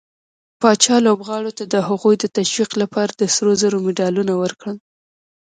پاچا لوبغارو ته د هغوي د تشويق لپاره د سروزرو مډالونه ورکړل.